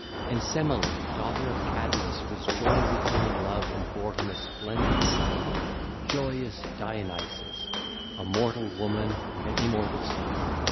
(ll. 940 942) And Semele, daughter of Cadmus was joined with him in love and bare him a splendid son, joyous Dionysus,—a mortal woman an immortal son.